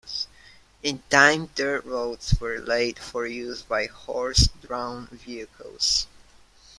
In time, dirt roads were laid, for use by horse-drawn vehicles.